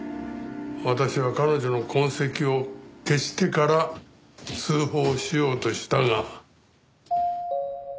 私は彼女の痕跡を消してから通報しようとしたが。